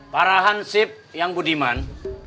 parahan sip yang budiman